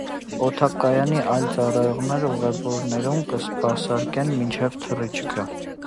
Օդակայանի այլ ծառայողներ ուղեւորներուն կը սպասարկեն մինչեւ թռիչքը։